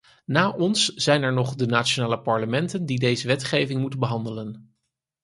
Na ons zijn er nog de nationale parlementen die deze wetgeving moeten behandelen.